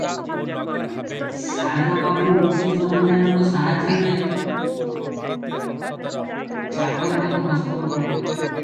ଶାରଦା ବାବୁ ଉକ୍ତ ଜମିଦାରଙ୍କ ସହାୟତାରେ ଚାକରଟାକୁ ହସ୍ତଗତ କଲେ ।